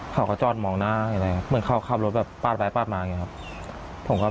เขาก็จอดมองหน้าอย่างเงี้ยครับเหมือนเขาก็ขับรถแบบปลาดไปปลาดมาอย่างเงี้ยครับ